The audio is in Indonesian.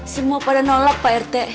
semua pada nolak pak rt